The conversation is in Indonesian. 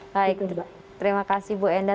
baik terima kasih bu enda